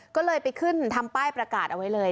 ก็เลยไปขึ้นทำป้ายประกาศเอาไว้เลย